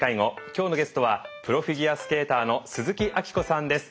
今日のゲストはプロフィギュアスケーターの鈴木明子さんです。